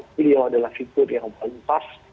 beliau adalah figur yang paling pas